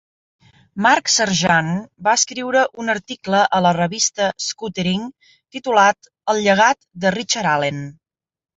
Mark Sargeant va escriure un article a la revista Scootering titulat "El llegat de Richard Allen".